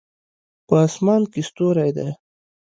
په اسمان کې ستوری ده